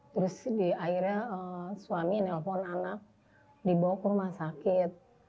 terus akhirnya suami nelfon anak dibawa ke rumah sakit